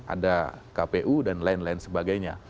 ada kpu dan lain lain sebagainya